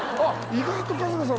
意外と春日さん